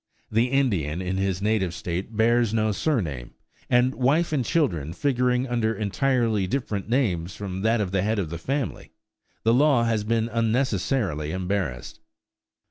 The Indian in his native state bears no surname; and wife and children figuring under entirely different names from that of the head of the family, the law has been unnecessarily embarrassed.